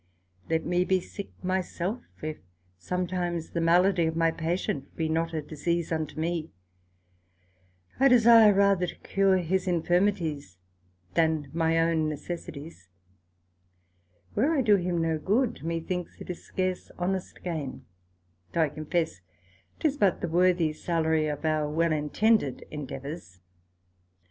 Let me be sick my self, if sometimes the malady of my patient be not a disease unto me; I desire rather to cure his infirmities than my own necessities: where I do him no good, methinks it is scarce honest gain; though I confess 'tis but the worthy salary of our well intended endeavours.